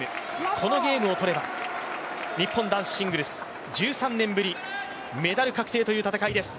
このゲームを取れば日本男子シングルス１３年ぶりメダル確定という戦いです。